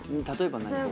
例えば何？